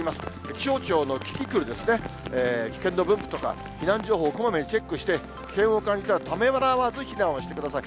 気象庁のキキクルですね、危険度分布とか避難情報をこまめにチェックして、危険を感じたらためらわず避難をしてください。